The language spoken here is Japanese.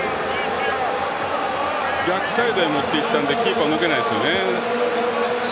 逆サイドへ持っていったのでキーパーは動けないですよね。